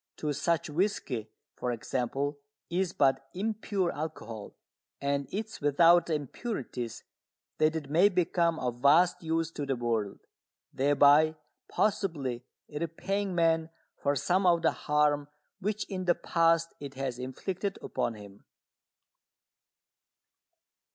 To such whisky, for example, is but "impure" alcohol, and it is without the "impurities" that it may become of vast use to the world, thereby possibly repaying man for some of the harm which in the past it has inflicted upon him.